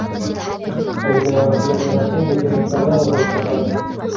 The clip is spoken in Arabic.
بسم الله الرحمن الرحيم إذا السماء انفطرت